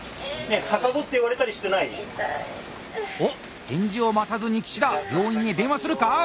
おっ返事を待たずに岸田病院へ電話するか？